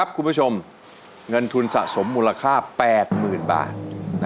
คุณผู้ชมเงินทุนสะสมมูลค่า๘๐๐๐บาท